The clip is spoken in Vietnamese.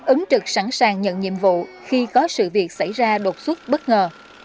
ứng trực sẵn sàng nhận nhiệm vụ khi có sự việc xảy ra đột xuất bất ngờ